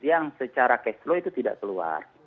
yang secara cash flow itu tidak keluar